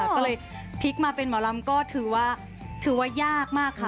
ก็เลยพลิกมาเป็นหมอลำก็ถือว่าถือว่ายากมากค่ะ